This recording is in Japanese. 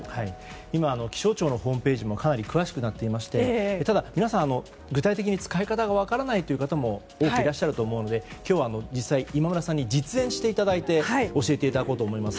今、気象庁のホームページもかなり詳しくなっていましてただ、皆さん具体的に使い方が分からないという方も多くいらっしゃると思うので今日は実際に今村さんに実演していただいて教えていただこうと思います。